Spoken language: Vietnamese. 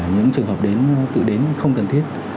những trường hợp tự đến không cần thiết